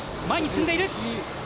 前に進んでいる。